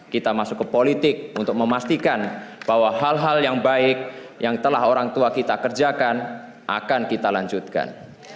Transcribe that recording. kita masuk ke politik untuk memastikan bahwa hal hal yang baik yang telah orang tua kita kerjakan akan kita lanjutkan